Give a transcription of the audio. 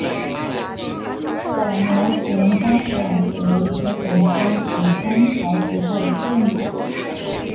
短毛熊巴掌为禾本科锦香草属下的一个变种。